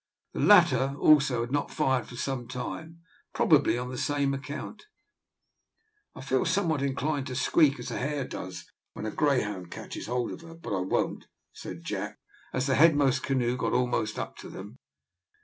The latter also had not fired for some time, probably on the same account. "I feel somewhat inclined to squeak, as a hare does when a greyhound catches hold of her, but I won't," said Jack, as the headmost canoe got almost up to them.